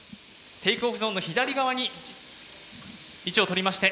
テイクオフゾーンの左側に位置をとりまして